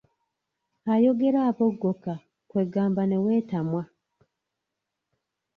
Ayogera aboggoka kwe ggamba ne weetamwa.